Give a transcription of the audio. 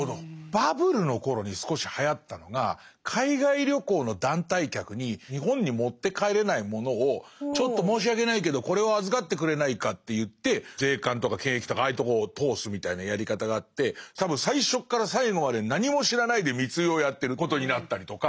バブルの頃に少しはやったのが海外旅行の団体客に日本に持って帰れないものを「ちょっと申し訳ないけどこれを預かってくれないか」って言って税関とか検疫とかああいうとこを通すみたいなやり方があって多分最初から最後まで何も知らないで密輸をやってることになったりとか。